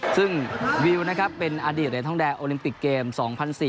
ซึ่งวิวนะครับเป็นอดีตในท่องแดกโอลิมปิกเกมส์๒๔๐๐